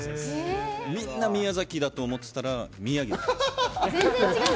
みんな宮崎だと思ってたら宮城だった。